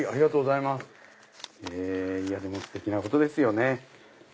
いやステキなことですよね。